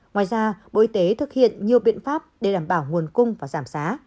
ngoài ra bộ y tế thực hiện nhiều biện pháp để đảm bảo nguồn cung và giảm giá